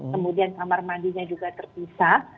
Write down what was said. kemudian kamar mandinya juga terpisah